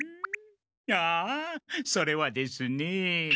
ああそれはですね。